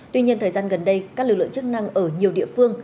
tuy nhiên thời gian gần đây các lực lượng chức năng ở nhiều địa phương